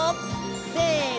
せの！